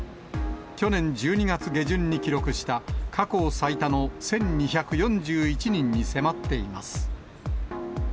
去年１２月下旬に記録した、過去最多の１２４１人に迫っています。